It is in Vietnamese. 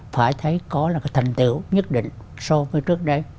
phải thấy có là thành tựu nhất định so với trước đây